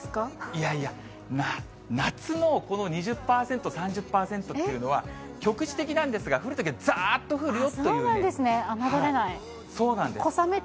いやいや、夏のこの２０％、３０％というのは、局地的なんですが、降るときはざーっと降るよそうなんですね、そうなんです。